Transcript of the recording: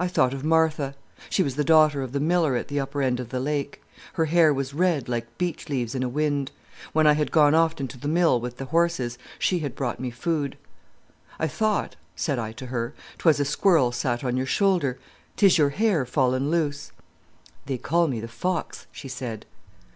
I thought of Martha. She was the daughter of the miller at the upper end of the lake. Her hair was red like beech leaves in a wind. When I had gone often to the mill with the horses she had brought me food. "'I thought,' said I to her, ''twas a squirrel sat on your shoulder. 'Tis your hair fallen loose.' "'They call me the fox,' she said.